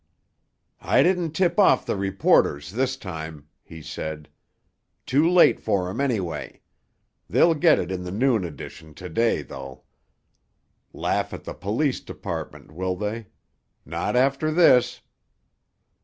"I didn't tip off the reporters this time," he said. "Too late for 'em, anyway. They'll get it in the noon editions to day, though. Laugh at the police department, will they? Not after this!"